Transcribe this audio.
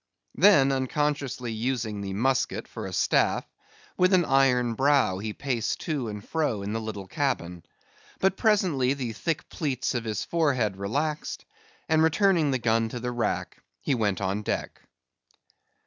Then unconsciously using the musket for a staff, with an iron brow he paced to and fro in the little cabin; but presently the thick plaits of his forehead relaxed, and returning the gun to the rack, he went to the deck.